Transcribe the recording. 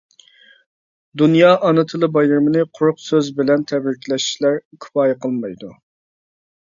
دۇنيا ئانا تىلى بايرىمىنى قۇرۇق سۆز بىلەن تەبرىكلەشلەر كۇپايە قىلمايدۇ.